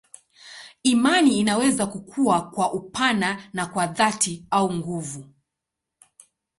Imani inaweza kukua kwa upana na kwa dhati au nguvu.